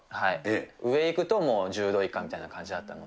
上行くと、もう１０度以下みたいな感じだったので。